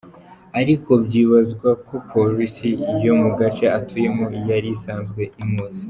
Ariko byibazwa ko polisi yo mu gace atuyemo yari isanzwe imuzi.